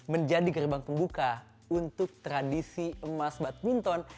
menjadi gerbang pembuka untuk tradisi emas badminton